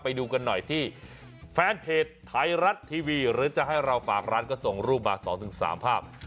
ไปดูกันหน่อยที่แฟนเพจไทยรัฐทีวีหรือจะให้เราฝากร้านก็ส่งรูปมา๒๓ภาพ